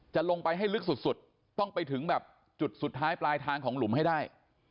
จะลงไปให้ลึกสุดต้องไปถึงแบบจุดสุดท้ายปลายทางของหลุมให้ได้